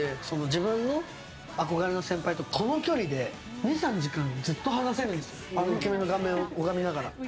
自分のあこがれの先輩とこの距離で２３時間ずっと話したんですよイケメンの顔面を拝みながら。